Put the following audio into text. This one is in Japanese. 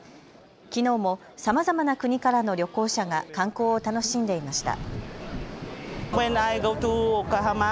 きのうもさまざまな国からの旅行者が観光を楽しんでいました。